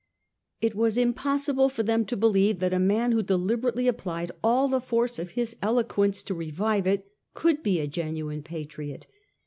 It was impossible for them to believe that a man who deliberately applied all the force of his eloquence to revive it, could be a genuine patriot.